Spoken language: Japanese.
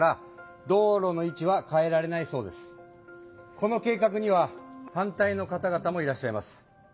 この計画には反対のかたがたもいらっしゃいます。